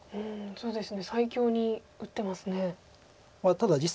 そうですね。